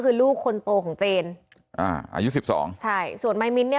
คือลูกคนโตของเจนอ่าอายุสิบสองใช่ส่วนมายมิ้นเนี่ย